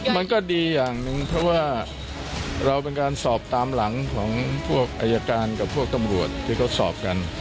มันก็ดีอย่างหนึ่งเพราะว่าเราเป็นการสอบตามหลังของพวกอายการกับพวกตำรวจที่เขาสอบกัน